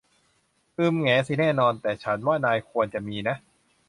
อืม แหงสิ แน่นอน แต่ฉันว่านายควรจะมีนะ